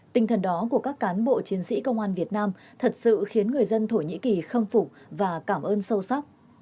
tinh thần đó của các cán bộ chiến sĩ công an việt nam thật sự khiến người dân thổ nhĩ kỳ khâm phục và cảm ơn sâu sắc